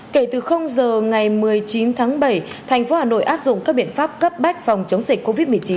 kể từ giờ ngày một mươi chín tháng bảy thành phố hà nội áp dụng các biện pháp cấp bách phòng chống dịch covid một mươi chín